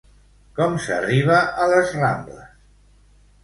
Com s'arriba a les Rambles?